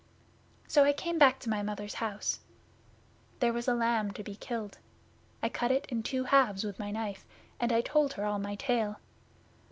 'So came I back to my Mother's house. There was a lamb to be killed. I cut it in two halves with my knife, and I told her all my tale.